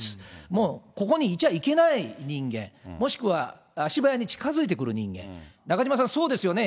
もうここにいちゃいけない人間、もしくは足早に近づいてくる人間、中島さん、そうですよね？